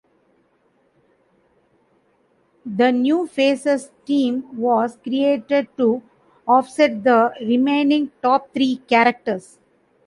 The New Faces Team was created to offset the remaining top three characters.